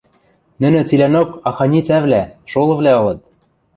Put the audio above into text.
Нӹнӹ цилӓнок аханицӓвлӓ, шолывлӓ ылыт.